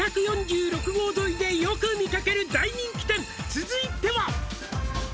「続いては」